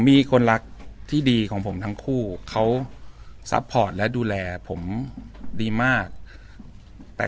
มีคนรักที่ดีของผมทั้งคู่เขาซัพพอร์ตและดูแลผมดีมากแต่